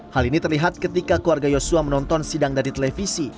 hal ini terlihat ketika keluarga yosua menonton sidang dari televisi